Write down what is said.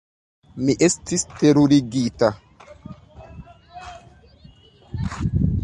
Mi estis terurigita.